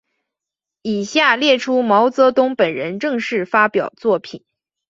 以下列出毛泽东本人正式发表作品。